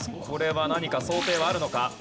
これは何か想定はあるのか？